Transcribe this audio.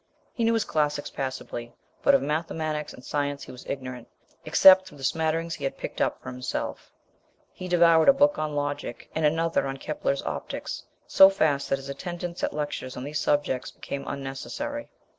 He knew his classics passably, but of mathematics and science he was ignorant, except through the smatterings he had picked up for himself. He devoured a book on logic, and another on Kepler's Optics, so fast that his attendance at lectures on these subjects became unnecessary.